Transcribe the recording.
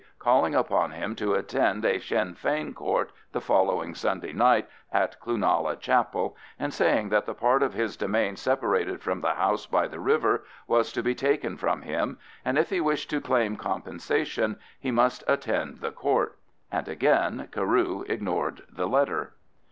calling upon him to attend a Sinn Fein Court the following Sunday night at Cloonalla Chapel, and saying that the part of his demesne separated from the house by the river was to be taken from him, and if he wished to claim "compensation" he must attend the "Court." And again Carew ignored the letter.